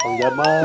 ya bang jamal